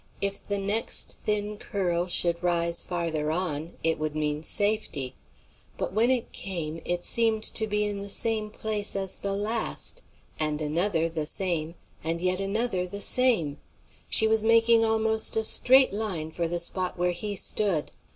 If the next thin curl should rise farther on, it would mean safety. But when it came it seemed to be in the same place as the last; and another the same, and yet another the same: she was making almost a straight line for the spot where he stood.